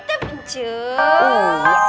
sampai jumpa lagi